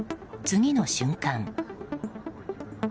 次の瞬間。